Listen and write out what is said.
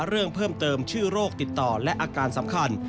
เรื่องเพิ่มเติมชื่อโรคติดต่อและอาการสำคัญ